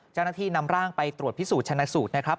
เจ้าหน้าที่นำร่างไปตรวจพิสูจนชนะสูตรนะครับ